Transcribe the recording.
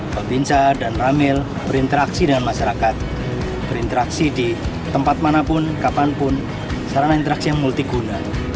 babinsa dan ramel berinteraksi dengan masyarakat berinteraksi di tempat manapun kapanpun sarana interaksi yang multiguna